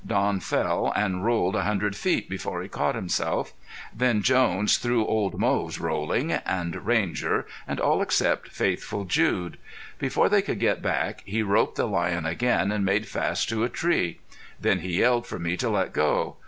Don fell and rolled a hundred feet before he caught himself. Then Jones threw old Moze rolling, and Ranger, and all except faithful Jude. Before they could get back he roped the lion again and made fast to a tree. Then he yelled for me to let go.